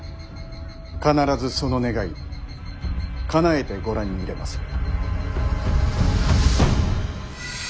必ずその願いかなえてご覧に入れまする。